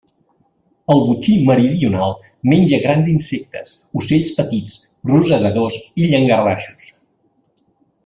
El botxí meridional menja grans insectes, ocells petits, rosegadors i llangardaixos.